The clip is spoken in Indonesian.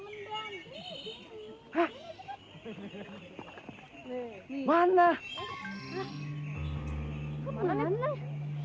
aduh bantu naik ke dong